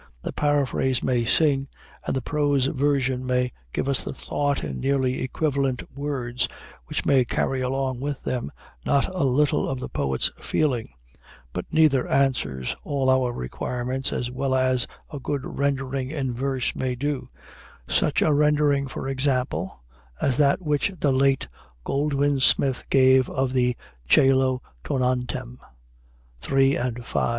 The paraphrase may sing, and the prose version may give us the thought in nearly equivalent words, which may carry along with them not a little of the poet's feeling; but neither answers all our requirements as well as a good rendering in verse may do such a rendering, for example, as that which the late Goldwin Smith gave of the "Cœlo tonantem" (iii., v.)